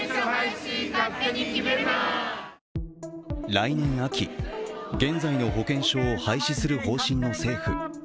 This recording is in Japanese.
来年秋、現在の保険証を廃止する方針の政府。